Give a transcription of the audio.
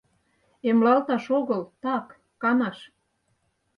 Эмлалташ огыл, так, канаш.